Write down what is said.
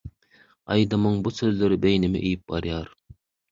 Aýdymyň bu sözleri beýnimi iýip barýar.